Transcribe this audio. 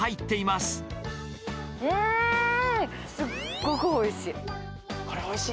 すっごくおいしい。